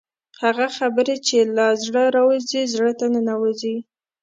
هغه خبرې چې له زړه راوځي زړه ته ننوځي.